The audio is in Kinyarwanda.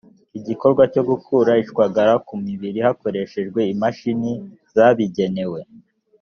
igikorwa cyo gukura ishwagara ku mibiri hakoreshejwe imashini zabigenewe